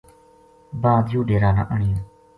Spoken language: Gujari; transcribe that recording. بعد یوہ ڈیرا نا آنیوں